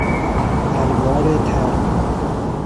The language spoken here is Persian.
الوار تر